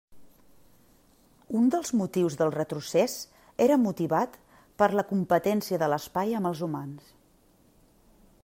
Un dels motius del retrocés era motivat per la competència de l'espai amb els humans.